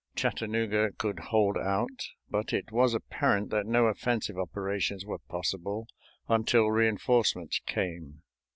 Chattanooga could hold out, but it was apparent that no offensive operations were possible until re enforcements came.